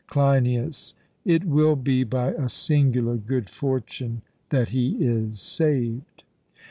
CLEINIAS: It will be by a singular good fortune that he is saved.